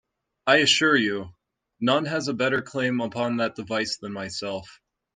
I assure you, none has a better claim upon that device than myself.